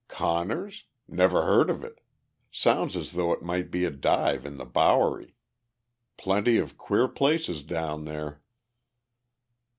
"Conner's? Never heard of it. Sounds as though it might be a dive in the Bowery. Plenty of queer places down there."